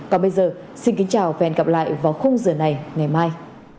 còn bây giờ xin kính chào và hẹn gặp lại vào khung giờ này ngày mai